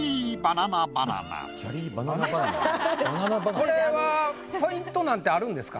これはポイントなんてあるんですか？